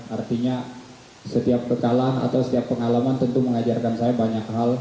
artinya setiap kekalahan atau setiap pengalaman tentu mengajarkan saya banyak hal